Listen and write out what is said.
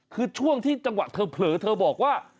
คือช่วงที่จังหวะเธอเผลอเธอบอกว่า